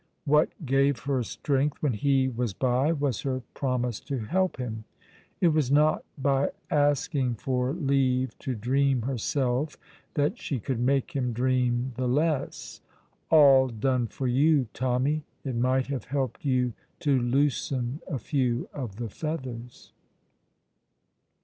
What gave her strength when he was by was her promise to help him. It was not by asking for leave to dream herself that she could make him dream the less. All done for you, Tommy! It might have helped you to loosen a few of the feathers.